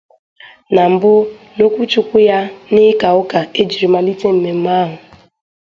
Na mbụ n'okwuchukwu ya n'ịkà ụka e jiri malite mmemme ahụ